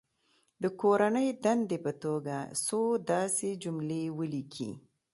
د کورنۍ دندې په توګه څو داسې جملې ولیکي.